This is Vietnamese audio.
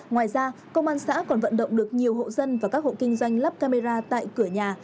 ngoài ra công an xã còn vận động được nhiều hộ dân và các hộ kinh doanh lắp camera tại cửa nhà